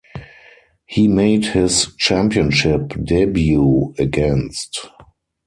He made his championship debut against.